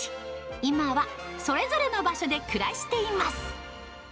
今はそれぞれの場所で暮らしています。